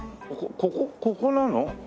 ここここなの？